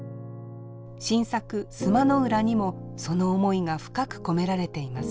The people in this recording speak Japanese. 新作「須磨浦」にもその思いが深く込められています。